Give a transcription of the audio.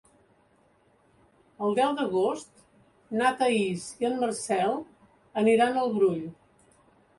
El deu d'agost na Thaís i en Marcel aniran al Brull.